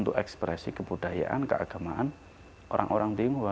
untuk ekspresi kebudayaan keagamaan orang orang tionghoa